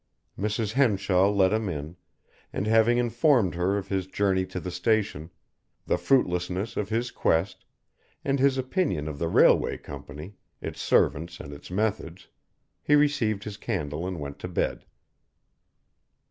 Mrs. Henshaw let him in, and having informed her of his journey to the station, the fruitlessness of his quest, and his opinion of the railway company, its servants and its methods, he received his candle and went to bed.